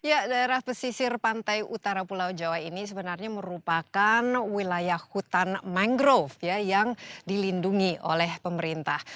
ya daerah pesisir pantai utara pulau jawa ini sebenarnya merupakan wilayah hutan mangrove yang dilindungi oleh pemerintah